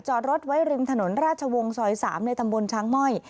จอดรถไว้ริมถนนราชวงศ์ซอย๓ในตำบลช้างม่อย